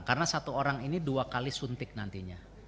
karena satu orang ini dua kali suntik nantinya